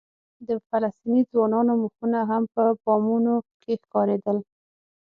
د فلسطیني ځوانانو مخونه هم په بامونو کې ښکارېدل.